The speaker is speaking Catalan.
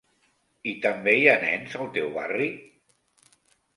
I també hi ha nens al teu barri?